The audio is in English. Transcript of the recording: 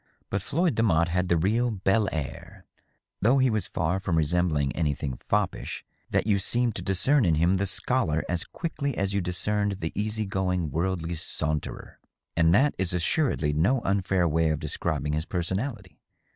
But Floyd Demotte had the real bd air, though he was so far from resembling anything foppish that you seemed to discern in him the scholar as quickly as you discerned the easy going worldly saunterer. And that is assuredly no unfair way of describing his personality.